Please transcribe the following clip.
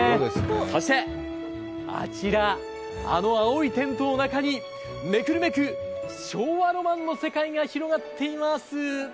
そしてあちら、あの青いテントの中にめくるめく昭和ロマンの世界が広がっています。